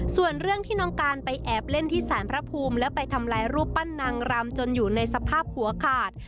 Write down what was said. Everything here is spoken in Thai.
ส่วนเรื่องที่น้องการไปแอบเล่นที่สารพระภูมิและไปทำลายรูปปั้นนางรำจนอยู่ในสภาพหัวขาด